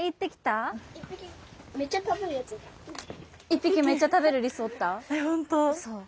１匹めっちゃ食べるリスおった？